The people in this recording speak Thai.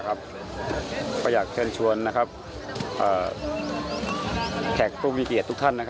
ก็อยากเชิญชวนแขกผู้มีเกียรติทุกท่าน